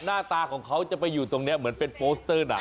หน้าตาของเขาจะไปอยู่ตรงนี้เหมือนเป็นโปสเตอร์หนัง